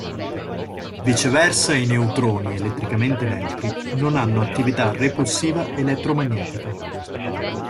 Viceversa, i neutroni, elettricamente neutri, non hanno attività repulsiva elettromagnetica.